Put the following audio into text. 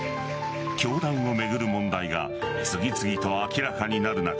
教団を巡る問題が次々と明らかになる中